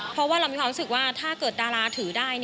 เพราะว่าเรามีความรู้สึกว่าถ้าเกิดดาราถือได้